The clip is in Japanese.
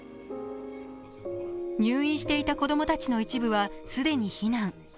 入院していた子供たちの一部は既に避難。